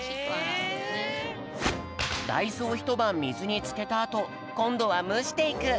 だいずをひとばんみずにつけたあとこんどはむしていく。